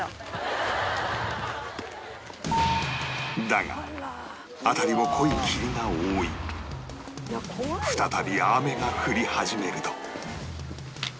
だが辺りを濃い霧が覆い再び雨が降り始めると